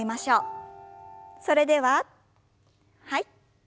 それでははい。